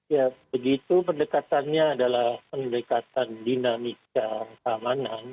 ya begitu pendekatannya adalah pendekatan dinamika keamanan